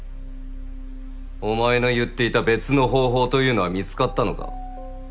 お前の言っていた別の方法というのは見つかったのか。